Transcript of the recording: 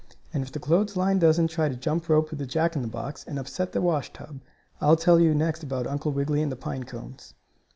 And if the clothesline doesn't try to jump rope with the Jack in the Box, and upset the washtub, I'll tell you next about Uncle Wiggily and the pine cones.